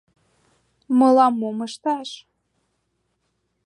— Мылам мом ышташ?